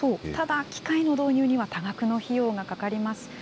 ただ、機械の導入には多額の費用がかかります。